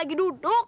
tante cipluk tuh